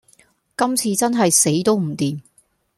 今次真係死都唔掂